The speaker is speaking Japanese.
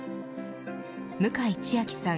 向井千秋さん